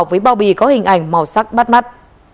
với bao bì có hình ảnh màu sắc bắt mắt